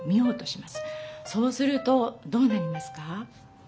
そうするとどうなりますか？